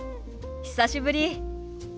久しぶり。